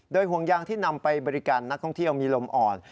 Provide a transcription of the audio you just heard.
ห่วงยางที่นำไปบริการนักท่องเที่ยวมีลมอ่อน